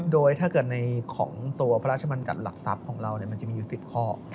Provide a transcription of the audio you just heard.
โดยถ้าเกิดในของตัวพระราชบัญญัติหลักทรัพย์ของเรามันจะมีอยู่๑๐ข้อ